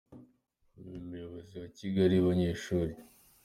Umuyobozi wa Kigali, Bunyeshuri.